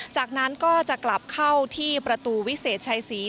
จากนั้นก็จะกลับเข้าที่ประตูวิเศษชัยศรี